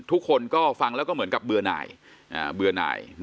ทุกคนก็ฟังแล้วก็เหมือนกับเบื่อนาย